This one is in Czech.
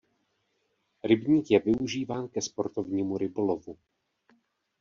Rybník je využíván ke sportovnímu rybolovu.